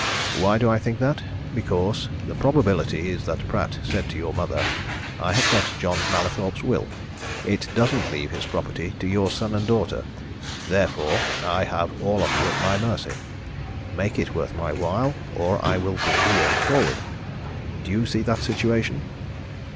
Why do I think that? Because the probability is that Pratt said to your mother, 'I have got John Mallathorpe's will! It doesn't leave his property to your son and daughter. Therefore, I have all of you at my mercy. Make it worth my while, or I will bring the will forward.' Do you see that situation?"